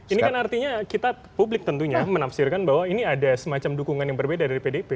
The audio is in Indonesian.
ini kan artinya kita publik tentunya menafsirkan bahwa ini ada semacam dukungan yang berbeda dari pdip